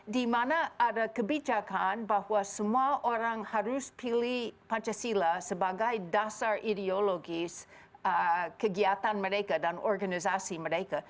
di mana ada kebijakan bahwa semua orang harus pilih pancasila sebagai dasar ideologis kegiatan mereka dan organisasi mereka